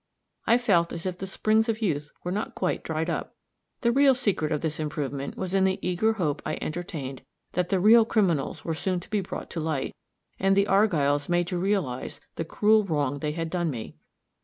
I felt as if the springs of youth were not quite dried up. The real secret of this improvement was in the eager hope I entertained that the real criminals were soon to be brought to light, and the Argylls made to realize the cruel wrong they had done me.